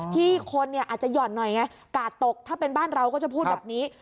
ที่คนเนี่ยอาจจะหย่อนหน่อยไงกาดตกถ้าเป็นบ้านเราก็จะพูดแบบนี้